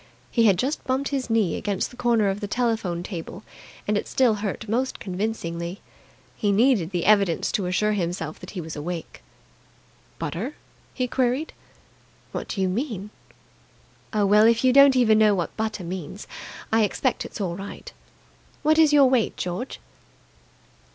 He had just bumped his knee against the corner of the telephone table, and it still hurt most convincingly. He needed the evidence to assure himself that he was awake. "Butter?" he queried. "What do you mean?" "Oh, well, if you don't even know what butter means, I expect it's all right. What is your weight, George?"